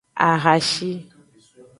Ahashi.